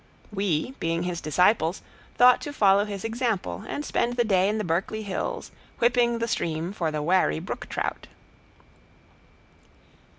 We, being his disciples, thought to follow his example, and spend the day in the Berkeley hills whipping the stream for the wary brook trout.